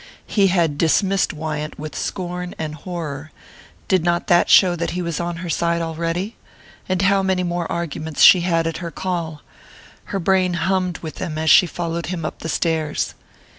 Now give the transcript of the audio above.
He had dismissed Wyant with scorn and horror did not that show that he was on her side already? And how many more arguments she had at her call! Her brain hummed with them as she followed him up the stairs.